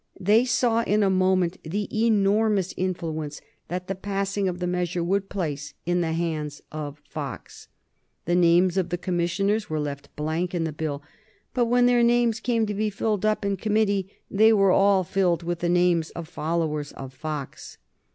They saw in a moment the enormous influence that the passing of the measure would place in the hands of Fox. The names of the commissioners were left blank in the bill, but when their time came to be filled up in committee they were all filled with the names of followers of Fox.